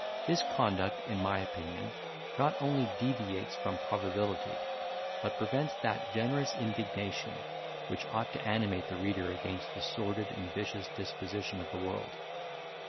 This conduct, in my opinion, not only deviates from probability, but prevents that generous indignation, which ought to animate the reader against the sordid and vicious disposition of the world.